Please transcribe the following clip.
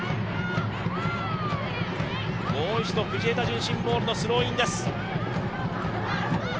もう一度、藤枝順心高校のスローイングです。